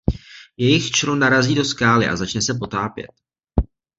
Jejich člun narazí do skály a začne se potápět.